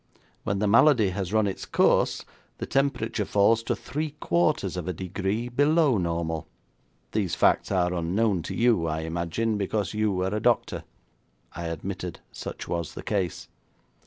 When the malady has run its course, the temperature falls to three quarters of a degree below normal. These facts are unknown to you, I imagine, because you are a doctor.' I admitted such was the case.